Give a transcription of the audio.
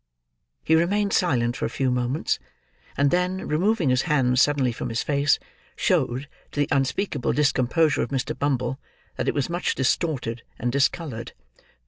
He remained silent for a few moments; and then, removing his hands suddenly from his face, showed, to the unspeakable discomposure of Mr. Bumble, that it was much distorted and discoloured.